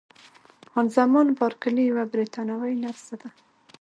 خان زمان بارکلي یوه بریتانوۍ نرسه ده.